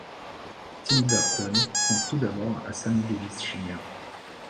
Tim Burton pense tout d'abord à Sammy Davis, Jr.